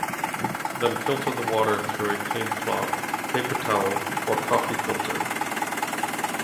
Then filter the water through a clean cloth, paper towel, or coffee filter.